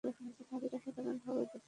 নারীরা সাধারণভাবে যুদ্ধকে সমর্থন করেনি।